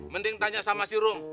mending tanya sama si rom